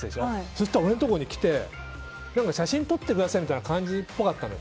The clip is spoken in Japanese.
そしたら俺のところに来て写真撮ってくださいみたいな感じだったの。